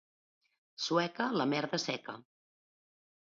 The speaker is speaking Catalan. Sueca, la merda seca.